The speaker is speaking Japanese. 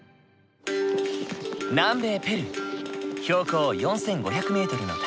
南米ペルー標高４，５００ｍの谷。